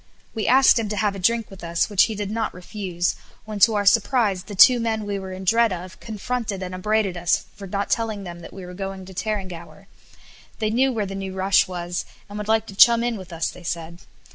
We asked him to have a drink with us which he did not refuse; when to our surprise the two men we were in dread of confronted and upbraided us for not telling them that we were going to Tarrangower. They knew where the new rush was, and would like to chum in with us, they said.